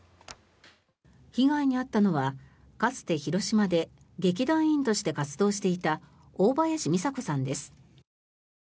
被害に遭ったのはかつて広島で劇団員として活動していた大林三佐子さんです。